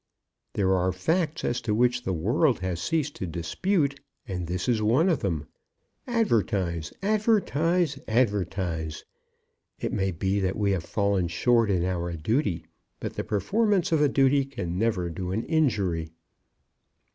There are facts as to which the world has ceased to dispute, and this is one of them. Advertise, advertise, advertise! It may be that we have fallen short in our duty; but the performance of a duty can never do an injury."